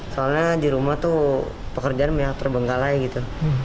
soalnya di rumah tuh pekerjaan banyak terbengkalai gitu